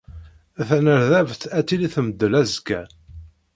Tanerdabt ad tili temdel azekka.